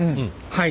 はい。